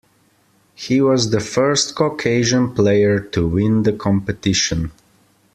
He was the first caucasian player to win the competition.